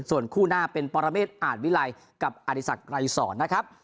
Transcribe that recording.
ส่วนคู่หน้าเป็นปรเมตอาทวิรัยกับอาธิษฐรรย์สอนนะครับ